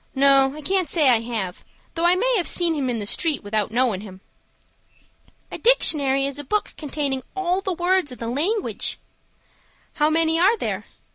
No, I can't say I have, though I may have seen him in the street without knowin' him." "A dictionary is a book containing all the words in the language." "How many are there?"